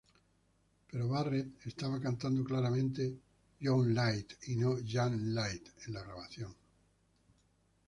Pero Barrett está cantando claramente "young light", y no "yang light" en la grabación.